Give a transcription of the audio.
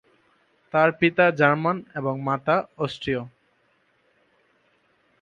তার পিতা জার্মান এবং মাতা অস্ট্রীয়।